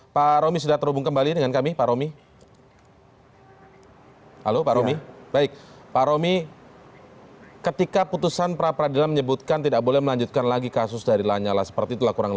apa argumen anda untuk menangkis ini pak